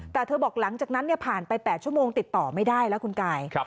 แต่เธอบอกหลังจากนั้นผ่านไป๘ชั่วโมงติดต่อไม่ได้แล้วคุณกาย